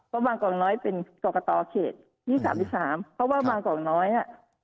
เพราะบางกล่องน้อยเป็นกรกตอเขตที่สามสิบสามเพราะว่าบางกล่องน้อยอ่ะ